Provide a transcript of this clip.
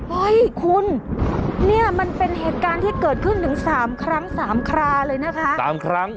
เฮ้ยคุณเนี่ยมันเป็นเหตุการณ์ที่เกิดขึ้นถึงสามครั้งสามคราเลยนะคะสามครั้ง